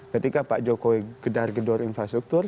ketika pak jokowi gedor gedor infrastruktur